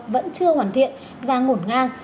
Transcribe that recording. vẫn chưa hoàn thiện và ngổn ngang